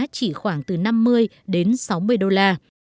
chỉ khoảng từ năm mươi đến sáu mươi đô la